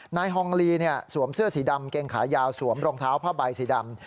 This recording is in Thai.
ฮองลีสวมเสื้อสีดำเกงขายาวสวมรองเท้าผ้าใบสีดำ